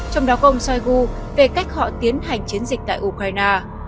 trong đó có ông shoigu về cách họ tiến hành chiến dịch tại ukraine